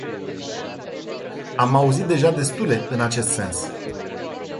Am auzit deja destule în acest sens.